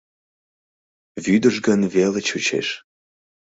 Вӱдыжгын веле чучеш.